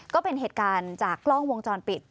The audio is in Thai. ก็เป็นเหตุการณ์จากกล้องวงจรปิด